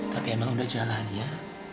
tapi emang udah jalan ya